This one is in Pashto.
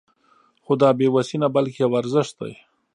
خو دا بې وسي نه بلکې يو ارزښت دی.